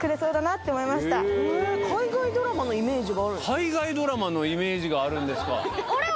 海外ドラマのイメージがある？